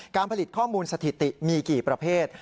การผลิตข้อมูลสถิติมีกี่ประเภท